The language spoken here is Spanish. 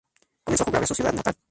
Comenzó a jugar en su ciudad natal.